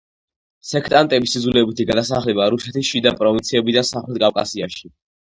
სექტანტების იძულებითი გადასახლება რუსეთის შიდა პროვინციებიდან სამხრეთ კავკასიაში.